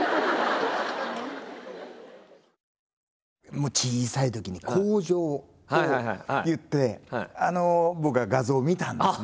もう小さいときに口上を言ってあの僕は画像を見たんですね。